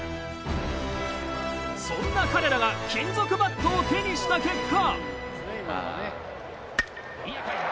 そんな彼らが金属バットを手にした結果。